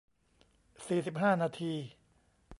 สี่สิบห้า นาที